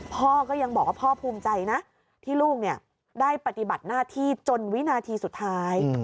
พ่อก็ยังบอกว่าพ่อภูมิใจนะที่ลูกได้ปฏิบัติหน้าที่จนวินาทีสุดท้าย